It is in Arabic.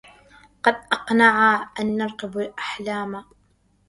قد قنعنا أن نرقب الأحلاما